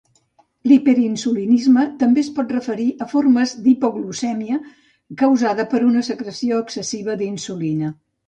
L'hiperinsulinisme també es pot referir a formes d'hipoglucèmia causada per una secreció excessiva d'insulina.